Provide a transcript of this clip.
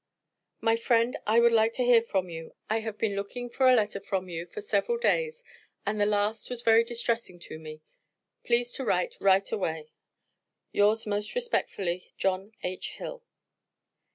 My friend, I would like to hear from you, I have been looking for a letter from you for Several days as the last was very interesting to me, please to write Right away. Yours most Respectfully, JOHN H. HILL.